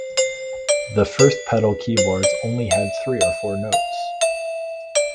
The first pedal keyboards only had three or four notes.